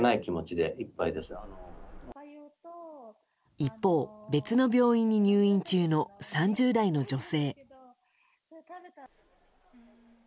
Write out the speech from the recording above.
一方、別の病院に入院中の３０代の女性。